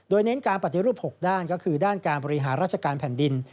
โดยเน้นการปฏิรูป๖ด้านก็คือด้านการบริหารราชการแผ่นดิน